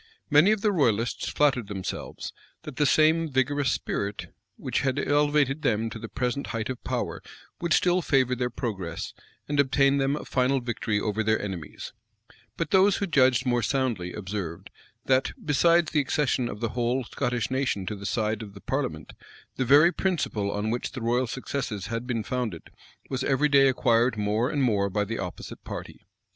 Many of the royalists flattered themselves, that the same vigorous spirit which had elevated them to the present height of power would still favor their progress, and obtain them a final victory over their enemies: but those who judged more soundly, observed, that, besides the accession of the whole Scottish nation to the side of the parliament, the very principle on which the royal successes had been founded, was every day acquired more and more by the opposite party.